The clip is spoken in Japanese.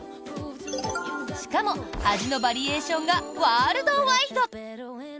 しかも味のバリエーションがワールドワイド。